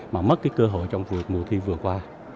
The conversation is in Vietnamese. mà mất cái cơ hội trong mùa thi vừa qua